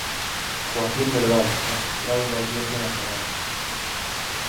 Joaquín Delgado, maxistrado da Audiencia Nacional.